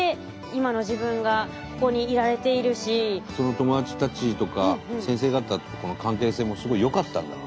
友達たちとか先生方との関係性もすごいよかったんだろうね。